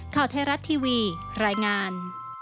ข่าวไทยรัฐทีวีรายงาน